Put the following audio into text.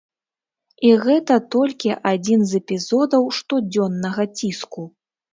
І гэта толькі адзін з эпізодаў штодзённага ціску.